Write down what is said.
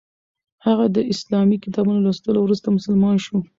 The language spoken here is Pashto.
هغه د اسلامي کتابونو له لوستلو وروسته مسلمان شو.